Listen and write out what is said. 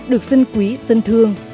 được dân quý dân thương